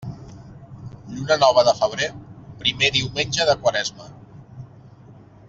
Lluna nova de febrer, primer diumenge de quaresma.